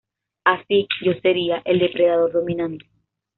Así, yo sería... El depredador dominante.